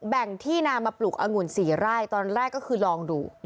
แบ่งที่นามาปลูกองุ่น๔ไร่ตอนแรกก็คือลองดู